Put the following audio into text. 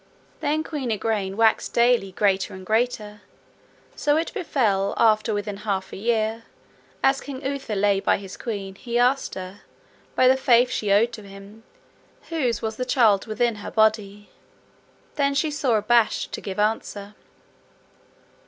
Then Queen Igraine waxed daily greater and greater, so it befell after within half a year, as King Uther lay by his queen, he asked her, by the faith she owed to him, whose was the body; then she sore abashed to give answer.